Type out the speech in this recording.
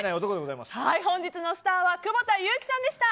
本日のスターは久保田悠来さんでした。